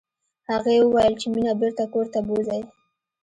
هغې وویل چې مينه بېرته کور ته بوزئ